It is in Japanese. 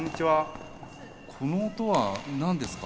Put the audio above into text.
この音は何ですか？